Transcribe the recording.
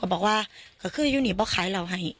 ก็บอกว่าอยู่นี้ต้องขายเราให้